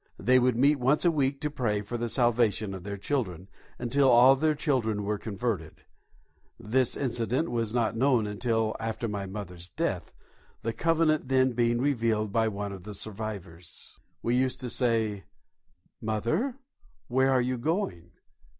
They would meet once a week to pray for the salvation of their children until all their children were converted this incident was not known until after my mother's death, the covenant then being revealed by one of the survivors. We used to say: "Mother, where are you going?"